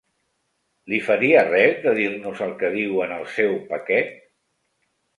Li faria res de dir-nos el que diu en el seu paquet?